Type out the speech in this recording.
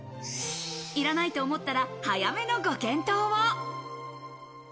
いらないと思ったら早めのご検討を。